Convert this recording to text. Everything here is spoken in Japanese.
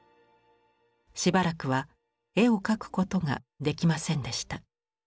しばらくは絵を描くことができませんでした。